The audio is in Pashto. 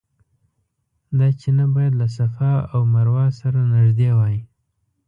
دا چینه باید له صفا او مروه سره نږدې وای.